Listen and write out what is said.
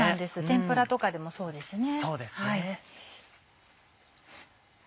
天ぷらとかでもそうですね。